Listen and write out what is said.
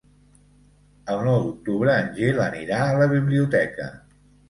El nou d'octubre en Gil anirà a la biblioteca.